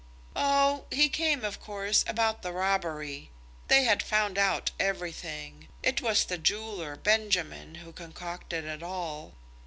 "Oh, he came, of course, about the robbery. They have found out everything. It was the jeweller, Benjamin, who concocted it all.